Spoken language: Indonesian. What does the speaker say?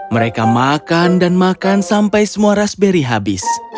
mereka makan dan makan sampai semua raspberry habis